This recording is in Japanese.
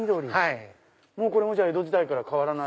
これも江戸時代から変わらない？